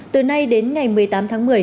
từ nay đến ngày một mươi tám tháng một mươi